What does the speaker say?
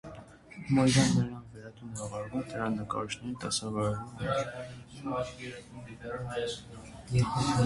Մոիրան նրան վերատուն է ուղարկում՝ տղա նկարիչներին դասավանդելու համար։